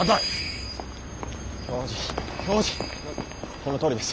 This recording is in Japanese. このとおりです！